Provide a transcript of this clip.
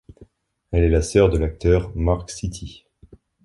Elle est la sœur de l'acteur Marc Citti.